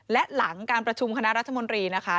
และหลังการประชุมคณะรัฐมนตรีนะคะ